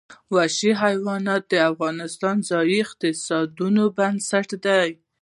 وحشي حیوانات د افغانستان د ځایي اقتصادونو بنسټ دی.